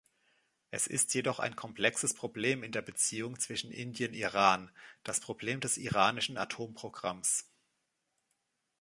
Es ist jedoch ein komplexes Problem in der Beziehung zwischen Indien-Iran, das Problem des iranischen Atomprogramms.